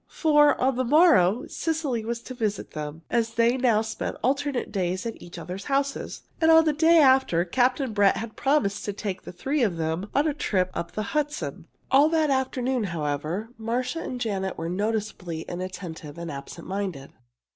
For on the morrow Cecily was to visit them, as they now spent alternate days in each others' houses, and the day after, Captain Brett had promised to take the three of them on a trip up the Hudson. All that afternoon, however, Marcia and Janet were noticeably inattentive and absent minded.